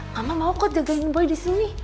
mama mau kok jagain boy disini